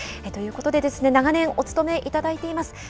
ということで長年お勤めいただいています